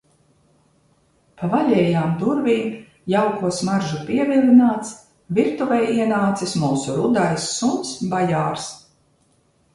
Pa vaļējām durvīm, jauko smaržu pievilināts, virtuvē ienācis mūsu rudais suns Bajārs.